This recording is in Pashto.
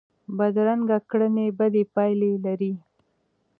بدرنګه کړنې بدې پایلې لري